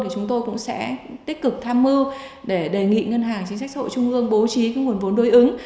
thì chúng tôi cũng sẽ tích cực tham mưu để đề nghị ngân hàng chính sách xã hội trung ương bố trí nguồn vốn đối ứng